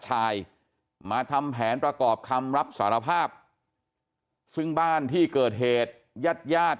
ชายมาทำแผนประกอบคำรับสารภาพซึ่งบ้านที่เกิดเหตุญาติญาติ